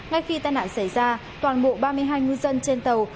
ngay khi tai nạn xảy ra toàn bộ ba mươi hai ngư dân trên tàu